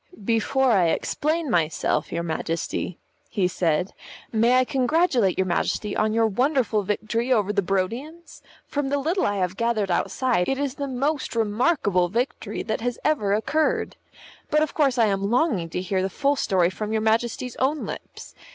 "Before I explain myself, your Majesty," he said, "may I congratulate your Majesty on your wonderful victory over the Barodians? From the little I have gathered outside, it is the most remarkable victory that has ever occurred. But of course I am longing to hear the full story from your Majesty's own lips.